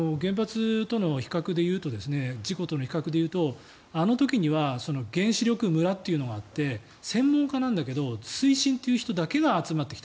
原発の事故との比較でいうとあの時には原子力村というのがあって専門家なんだけど推進という人たちが集まってきた。